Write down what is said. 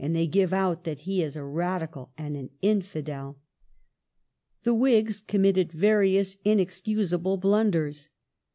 They give out that he is a Radical and an Infidel." ^ The Whigs committed various inexcusable blunders.